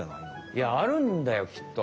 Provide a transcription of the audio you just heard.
いやあるんだよきっと！